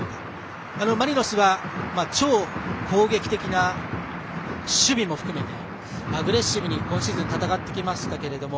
Ｆ・マリノスは超攻撃的な守備も含めてアグレッシブに戦ってきました。